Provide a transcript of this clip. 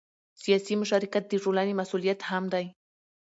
سیاسي مشارکت د ټولنې مسؤلیت هم دی